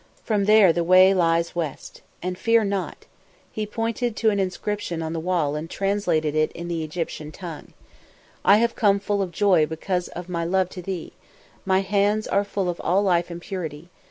From there the way lies west. And fear not." He pointed to an inscription on the wall and translated it in the Egyptian tongue. "'_I have come full of joy because of my love to thee; my hands are full of all life and purity.